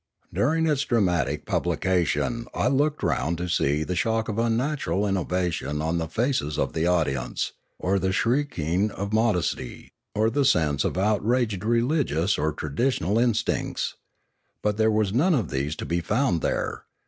During its dramatic publica tion I looked round to see the shock of unnatural 454 Limanora innovation on the faces of the audience, or the shrinking of modesty, or the sense of outraged religious or tra ditional instincts. But there was none of these to be found there.